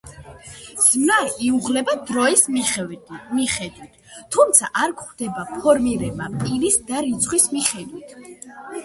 ზმნა იუღლება დროის მიხედვით, თუმცა არ გვხვდება ფორმირება პირის და რიცხვის მიხედვით.